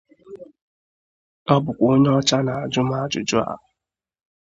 Ọ bụkwa onyeọcha na-ajụ m ajụjụ a